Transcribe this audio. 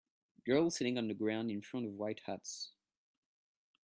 Girl sitting on the ground in front of white huts